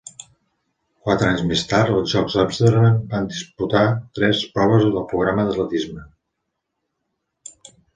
Quatre anys més tard, als Jocs d'Amsterdam, va disputar tres proves del programa d'atletisme.